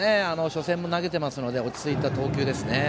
初戦も投げてますので落ち着いた投球ですね。